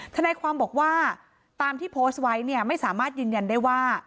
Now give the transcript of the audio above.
ทนายความบอกว่าตามที่โพสต์ไว้เนี่ยไม่สามารถยืนยันได้ว่า